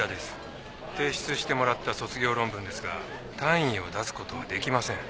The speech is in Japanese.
提出してもらった卒業論文ですが単位を出すことはできません。